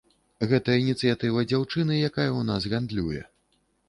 Гэта ініцыятыва дзяўчыны, якая ў нас гандлюе.